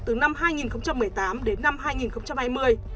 từ năm hai nghìn một mươi tám đến năm hai nghìn hai mươi